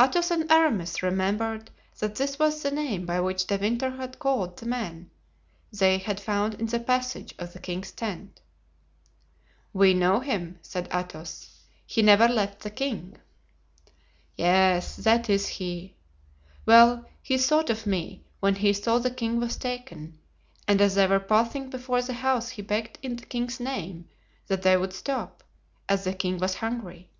Athos and Aramis remembered that this was the name by which De Winter had called the man they had found in the passage of the king's tent. "We know him," said Athos, "he never left the king." "Yes, that is he. Well, he thought of me, when he saw the king was taken, and as they were passing before the house he begged in the king's name that they would stop, as the king was hungry.